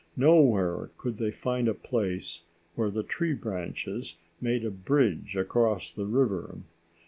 Nowhere could they find a place where the tree branches made a bridge across the river.